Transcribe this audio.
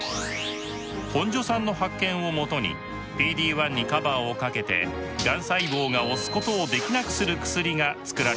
本庶さんの発見をもとにＰＤ−１にカバーをかけてがん細胞が押すことをできなくする薬が作られました。